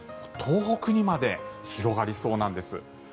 東北にまで広がりそうなんです。